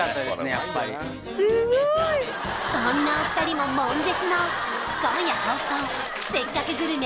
やっぱりそんなお二人ももん絶な今夜放送「せっかくグルメ！！」